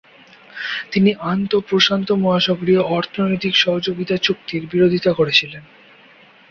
তিনি আন্তঃ-প্রশান্ত মহাসাগরীয় অর্থনৈতিক সহযোগিতা চুক্তির বিরোধিতা করেছিলেন।